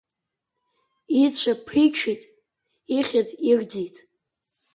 Ицәа ԥиҽит, ихьыӡ ирӡит.